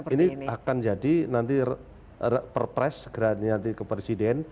ini akan jadi nanti perpres segera ke presiden